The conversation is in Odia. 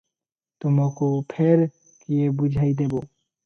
ତୁମକୁ ଫେର କିଏ ବୁଝାଇଦେବ?